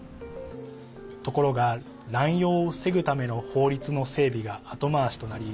ところが、乱用を防ぐための法律の整備が後回しとなり